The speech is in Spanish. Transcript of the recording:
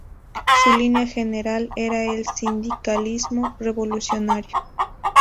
Su línea general era el sindicalismo revolucionario.